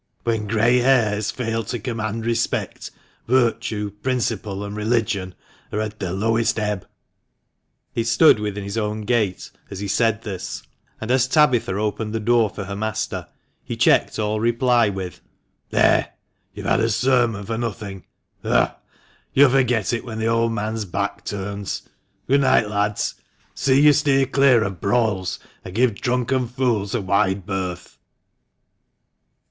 When grey hairs fail to command respect, virtue, principle, and religion are at their lowest ebb." He stood within his own gate as he said this, and as Tabitha opened the door for her master, he checked all reply with " There ! you've had a sermon for nothing. Ugh ! you'll forget it when the old man's back turns. Good night, lads ! See you steer clear of brawls, and give drunken fools a wide berth."